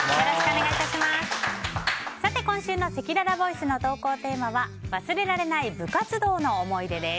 今週のせきららボイスの投稿テーマは忘れられない部活動の思い出です。